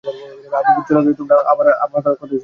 আমি চলে গেলেই তোমরা আবার কথা আরম্ভ করে দেবে, সেটি হচ্ছে না।